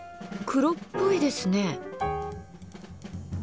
黒っぽいですね。